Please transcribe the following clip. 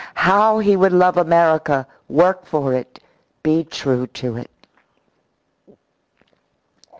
How he would love America, work for it, be true to it!